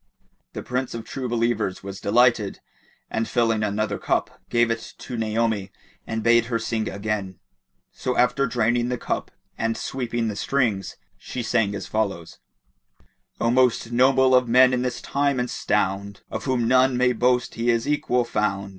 The Prince of True Believers was delighted and filling another cup, gave it to Naomi and bade her sing again; so after draining the cup and sweeping the strings, she sang as follows:— "O most noble of men in this time and stound, * Of whom none may boast he is equal found!